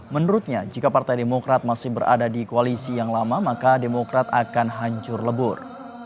menurutnya jika partai demokrat masih berada di koalisi yang lama maka demokrat akan hancur lebur